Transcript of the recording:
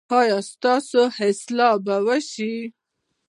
ایا ستاسو اصلاح به وشي؟